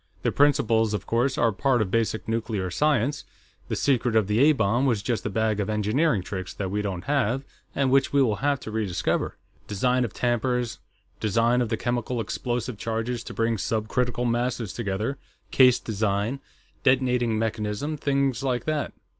The principles, of course, are part of basic nuclear science; the "secret of the A bomb" was just a bag of engineering tricks that we don't have, and which we will have to rediscover. Design of tampers, design of the chemical explosive charges to bring subcritical masses together, case design, detonating mechanism, things like that."